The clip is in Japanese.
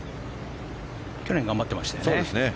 去年頑張ってましたよね。